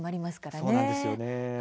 そうなんですよね。